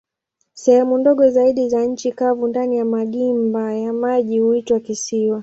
Sehemu ndogo zaidi za nchi kavu ndani ya magimba ya maji huitwa kisiwa.